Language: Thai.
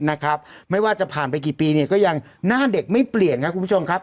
นะครับไม่ว่าจะผ่านไปกี่ปีเนี่ยก็ยังหน้าเด็กไม่เปลี่ยนครับคุณผู้ชมครับ